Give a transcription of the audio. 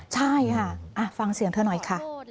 ใช่ค่ะฟังเสียงเธอหน่อยค่ะ